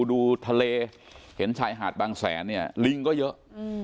ดูทะเลเห็นชายหาดบางแสนเนี่ยลิงก็เยอะ